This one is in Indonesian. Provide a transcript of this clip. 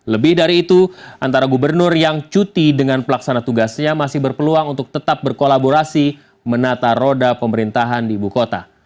lebih dari itu antara gubernur yang cuti dengan pelaksana tugasnya masih berpeluang untuk tetap berkolaborasi menata roda pemerintahan di ibu kota